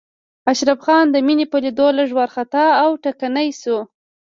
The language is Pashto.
اشرف خان د مينې په ليدو لږ وارخطا او ټکنی شو.